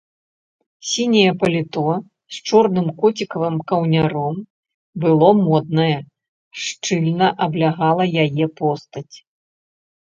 Сіняе паліто з чорным коцікавым каўняром было моднае, шчыльна аблягала яе постаць.